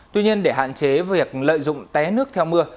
tuy nhiên để hạn chế việc lợi dụng té nước theo mưa